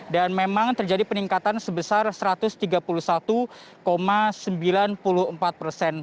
dan memang terjadi peningkatan sebesar satu ratus tiga puluh satu sembilan puluh empat persen